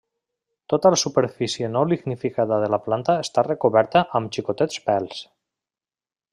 Tota la superfície no lignificada de la planta està recoberta amb xicotets pèls.